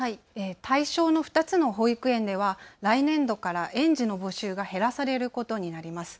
対象の２つの保育園では来年度から園児の募集が減らされることになります。